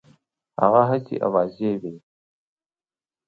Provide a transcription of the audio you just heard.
هغه هسي آوازې وي.